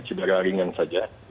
cedera ringan saja